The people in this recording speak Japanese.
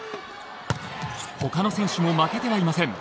他の選手も負けてはいません。